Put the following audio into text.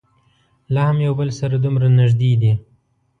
لا هم یو بل سره دومره نږدې دي.